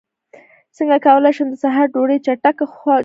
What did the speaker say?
څنګه کولی شم د سحر ډوډۍ چټکه جوړه کړم